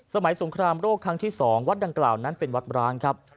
สงครามโรคครั้งที่๒วัดดังกล่าวนั้นเป็นวัดร้างครับ